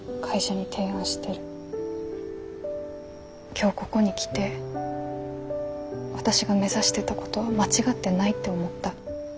今日ここに来て私が目指してたことは間違ってないって思った。